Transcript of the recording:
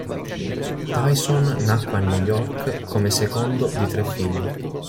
Tyson nacque a New York come secondo di tre figli.